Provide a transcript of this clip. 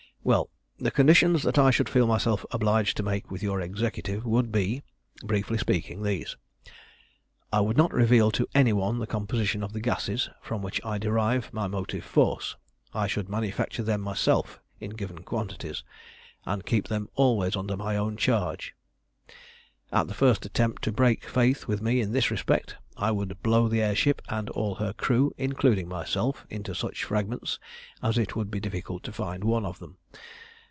"Well, the conditions that I should feel myself obliged to make with your Executive would be, briefly speaking, these: I would not reveal to any one the composition of the gases from which I derive my motive force. I should manufacture them myself in given quantities, and keep them always under my own charge. "At the first attempt to break faith with me in this respect I would blow the air ship and all her crew, including myself, into such fragments as it would be difficult to find one of them.